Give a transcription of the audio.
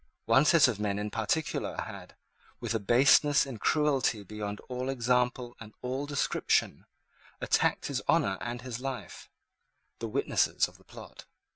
One set of men in particular had, with a baseness and cruelty beyond all example and all description, attacked his honour and his life, the witnesses of the plot.